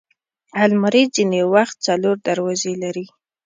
الماري ځینې وخت څلور دروازې لري